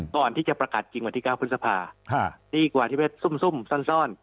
ก่อนที่จะประกาศจริงวันที่๙พฤษภาดีกว่าที่ไปซุ่มซ่อน